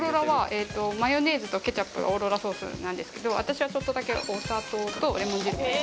マヨネーズとケチャップがオーロラソースなんですけど私はちょっとだけお砂糖とレモン汁入れてます。